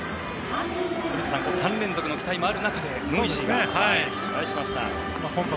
古田さん３連続の期待もある中でノイジーが打ち返しました。